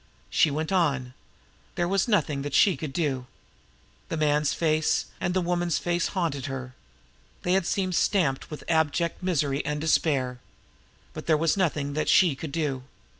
She went on. There was nothing that she could do. The man's face and the woman's face haunted her. They had seemed stamped with such abject misery and despair. But there was nothing that she could do.